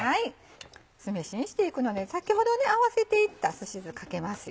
酢飯にしていくので先ほど合わせていったすし酢かけます。